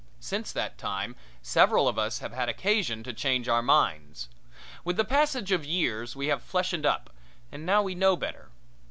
Since that time several of us have had occasion to change our minds. With the passage of years we have fleshened up, and now we know better.